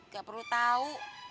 gak perlu tau